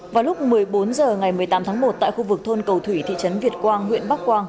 vào lúc một mươi bốn h ngày một mươi tám tháng một tại khu vực thôn cầu thủy thị trấn việt quang huyện bắc quang